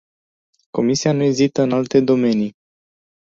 Comisia nu ezită în alte domenii.